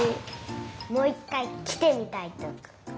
もう１かいきてみたいとか。